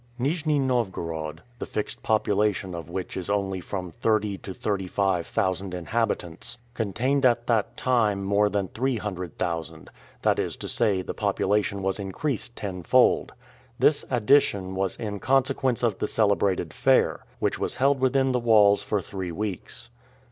Nijni Novgorod, the fixed population of which is only from thirty to thirty five thousand inhabitants, contained at that time more than three hundred thousand; that is to say, the population was increased tenfold. This addition was in consequence of the celebrated fair, which was held within the walls for three weeks.